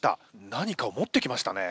何かを持ってきましたね。